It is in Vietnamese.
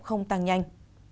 không tăng nhanh